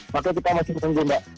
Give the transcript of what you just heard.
maka kita masih menunggu mbak